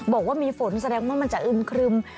บอกว่ามีฝนแสดงว่ามันจะอึมครึม